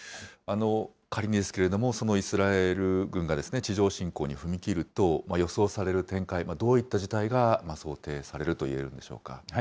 仮にですけれども、そのイスラエル軍が地上侵攻に踏み切ると、予想される展開、どういった事態が想定されるといえるんでしょうか。